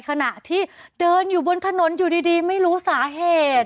ขณะที่เดินอยู่บนถนนอยู่ดีไม่รู้สาเหตุ